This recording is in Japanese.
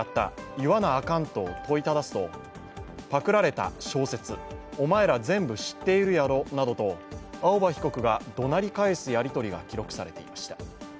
言わなあかんと問いただすとパクられた小説、お前ら全部知ってるやろなどと青葉被告がどなり返すやり取りが記録されていました。